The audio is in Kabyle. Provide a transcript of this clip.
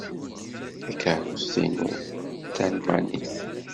Takeṛṛust-inu d talmanit.